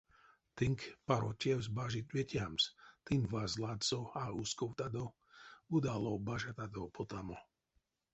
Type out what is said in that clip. Тынк паро тевс бажить ветямс, тынь ваз ладсо а усковтадо, удалов бажатадо потамо.